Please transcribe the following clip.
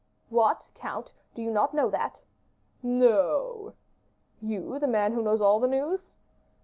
"What! Count, do you not know that?" "No." "You, the man who knows all the news?"